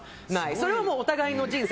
それはお互いの人生。